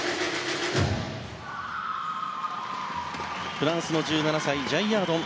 フランスの１７歳ジャイヤードン。